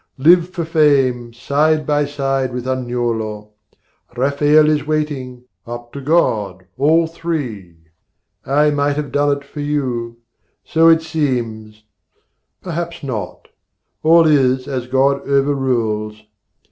'Live for fame, side by side with Agnolo! 'Rafael is waiting: up to God, all three! ' I might have done it for you. So it seems: Perhaps not. All is as God over rules.